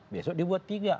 besok dia buat tiga